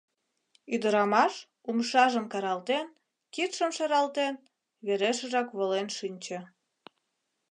Ӱдырамаш, умшажым каралтен, кидшым шаралтен, верешыжак волен шинче...